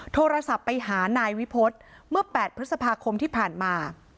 โทรศัพท์ไปหานายวิพฤษเมื่อ๘พฤษภาคมที่ผ่านมา